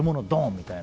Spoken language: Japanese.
みたいな。